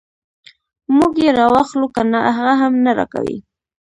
موږ یې راواخلو کنه هغه هم نه راکوي.